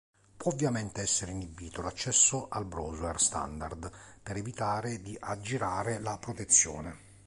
Può ovviamente essere inibito l'accesso al browser standard per evitare di aggirare la protezione.